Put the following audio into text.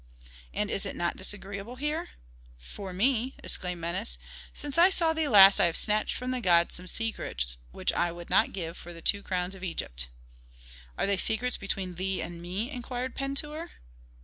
"And is it not disagreeable here?" "For me!" exclaimed Menes. "Since I saw thee last I have snatched from the gods some secrets which I would not give for the two crowns of Egypt." "Are they secrets between thee and me?" inquired Pentuer.